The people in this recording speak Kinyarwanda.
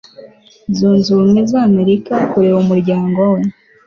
zunze ubumwe za amerika kureba umuryango we